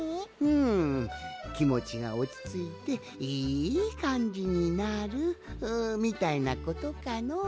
んきもちがおちついていいかんじになるみたいなことかのう。